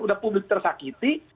udah publik tersakiti